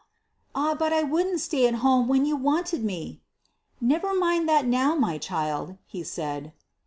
"Ah, but I wouldn't stay at home when you wanted me." "Never mind that now, my child," he said.